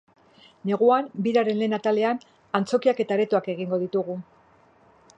Neguan, biraren lehen atalean, antzokiak eta aretoak egingo ditugu.